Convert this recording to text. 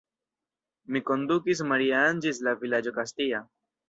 Mi kondukis Maria-Ann ĝis la vilaĝo Kastia.